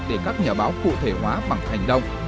để các nhà báo cụ thể hóa bằng hành động